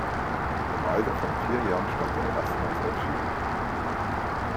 Im Alter von vier Jahren stand er erstmals auf Skiern.